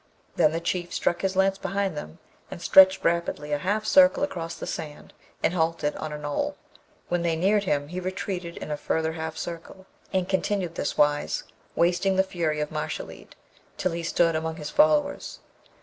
Then the Chief struck his lance behind him, and stretched rapidly a half circle across the sand, and halted on a knoll. When they neared him he retreated in a further half circle, and continued this wise, wasting the fury of Mashalleed, till he stood among his followers.